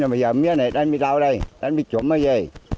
bây giờ mía này đang bị đau đây đang bị chổm ở đây